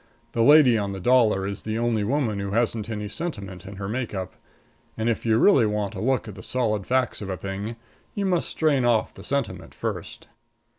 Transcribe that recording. The lady on the dollar is the only woman who hasn't any sentiment in her make up. And if you really want a look at the solid facts of a thing you must strain off the sentiment first.